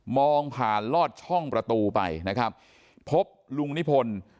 ผ่านลอดช่องประตูไปนะครับพบลุงนิพนธ์